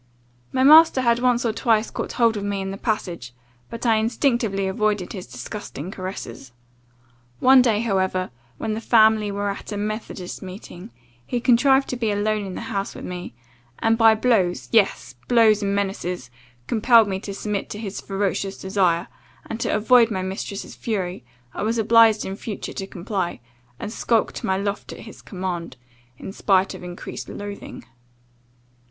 My master had once or twice caught hold of me in the passage; but I instinctively avoided his disgusting caresses. One day however, when the family were at a methodist meeting, he contrived to be alone in the house with me, and by blows yes; blows and menaces, compelled me to submit to his ferocious desire; and, to avoid my mistress's fury, I was obliged in future to comply, and skulk to my loft at his command, in spite of increasing loathing.